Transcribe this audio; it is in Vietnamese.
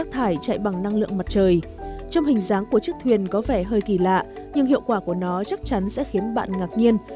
trong hình dáng của chiếc thuyền có vẻ hơi kỳ lạ nhưng hiệu quả của nó chắc chắn sẽ khiến bạn ngạc nhiên